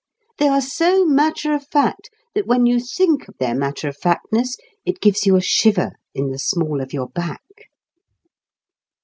They are so matter of fact that when you think of their matter of factness it gives you a shiver in the small of your back.